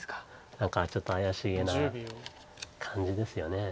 何かちょっと怪しげな感じですよね。